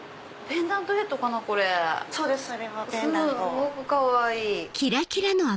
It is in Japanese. すんごくかわいい！